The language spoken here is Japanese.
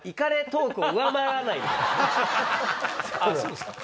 あっそうですか？